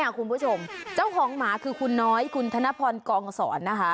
คุณผู้ชมเจ้าของหมาคือคุณน้อยคุณธนพรกองศรนะคะ